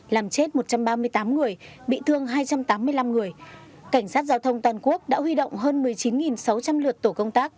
làm chết một trăm ba mươi tám người bị thương hai trăm tám mươi năm người cảnh sát giao thông toàn quốc đã huy động hơn một mươi chín sáu trăm linh lượt tổ công tác